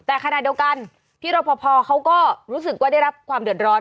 แต่ขณะเดียวกันพี่รพพอเขาก็รู้สึกว่าได้รับความเดือดร้อน